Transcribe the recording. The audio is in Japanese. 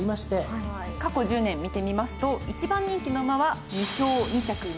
過去１０年見てみますと１番人気の馬は２勝２着２回。